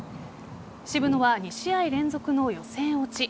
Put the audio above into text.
渋野は２試合連続の予選落ち。